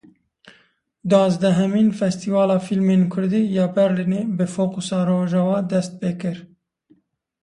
Duwazdehemîn Festîvala Fîlmên kurdî ya Berlînê bi fokusa Rojava dest pê kir.